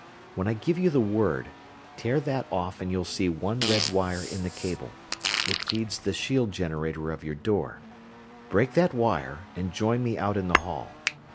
When I give you the word, tear that off and you'll see one red wire in the cable. It feeds the shield generator of your door. Break that wire and join me out in the hall.